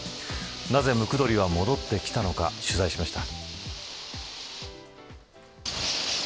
なぜムクドリは戻ってきたのか取材しました。